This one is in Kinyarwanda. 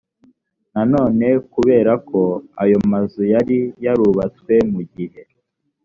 nanone kubera ko ayo mazu yari yarubatswe mu gihe